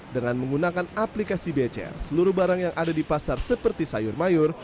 dengan menggunakan aplikasi bcr seluruh barang yang ada di pasar seperti sayur mayur